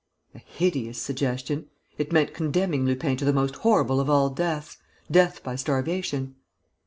A hideous suggestion! It meant condemning Lupin to the most horrible of all deaths, death by starvation.